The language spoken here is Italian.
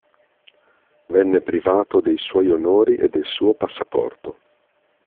Venne privato dei suoi onori e del suo passaporto.